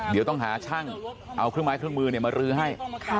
เดี๋ยวต้องหาช่างเอาเครื่องไม้เครื่องมือมารื้อให้